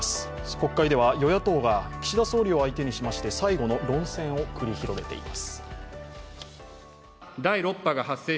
国会では与野党が岸田総理を相手にしまして、最後の論戦を繰り広げています。